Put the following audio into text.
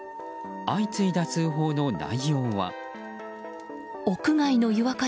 相次いだ通報の内容は。